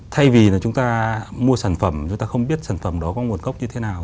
thay vì là chúng ta mua sản phẩm chúng ta không biết sản phẩm đó có nguồn gốc như thế nào